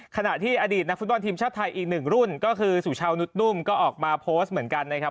ขณะที่อดีตนักฟุตบอลทีมชาติไทยอีกหนึ่งรุ่นก็คือสุชาวนุษนุ่มก็ออกมาโพสต์เหมือนกันนะครับ